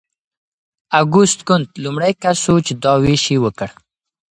اګوست کنت لومړی کس و چې دا ویش یې وکړ.